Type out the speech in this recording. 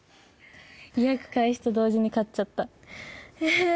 予約開始と同時に買っちゃったええー